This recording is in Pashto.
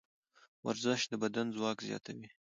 ورزش د بدن ځواک زیاتوي.